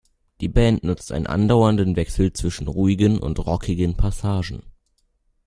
Die Band nutzt einen andauernden Wechsel zwischen ruhigen und rockigen Passagen.